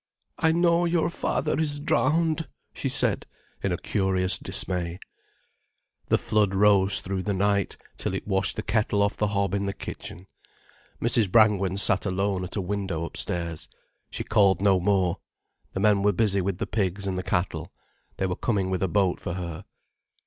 "I know your father is drowned," she said, in a curious dismay. The flood rose through the night, till it washed the kettle off the hob in the kitchen. Mrs. Brangwen sat alone at a window upstairs. She called no more. The men were busy with the pigs and the cattle. They were coming with a boat for her.